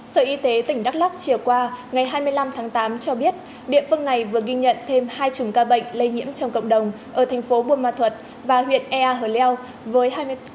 sở y tế tỉnh đắk lắc trìa qua ngày hai mươi năm tháng tám cho biết địa phương này vừa ghi nhận thêm hai trùng ca bệnh lây nhiễm trong cộng đồng ở thành phố bù ma thuột và huyện ea hờ leo với hai mươi